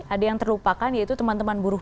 ada yang terlupakan yaitu teman teman buruh